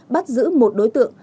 bắt giữ một đối tượng